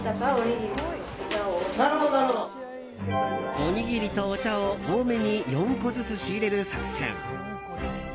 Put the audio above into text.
おにぎりとお茶を多めに４個ずつ仕入れる作戦。